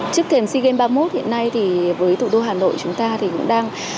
trước thềm sea games ba mươi một hiện nay thì với thủ đô hà nội chúng ta thì cũng đang